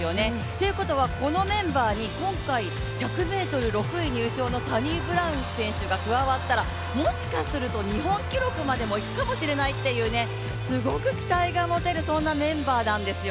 ということはこのメンバーに今回１００ｍ６位入賞のサニブラウン選手が加わったら、もしかすると日本記録までもいくかもしれないという、すごく期待が持てるメンバーなんですよ。